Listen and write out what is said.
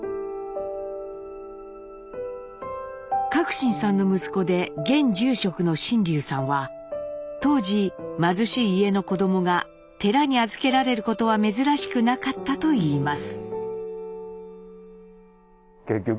信さんの息子で現住職の信隆さんは当時貧しい家の子どもが寺に預けられることは珍しくなかったといいます。